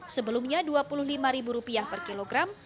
sebelumnya rp dua puluh lima per kilogram